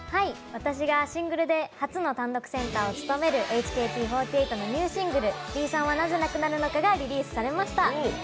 私がシングルで初の単独センターを務めるＨＫＴ４８のニューシングル、「ビーサンはなぜなくなるのか？」がリリースされました。